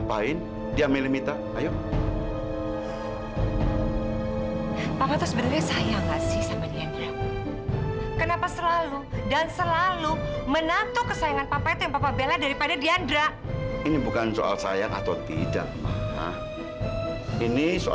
dan memperoleh hidup baru